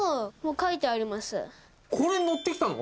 これに乗ってきたの？